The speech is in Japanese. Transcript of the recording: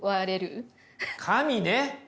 神ね！